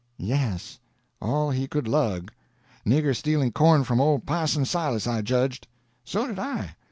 "Yes, all he could lug. Nigger stealing corn from old Parson Silas, I judged." "So did I.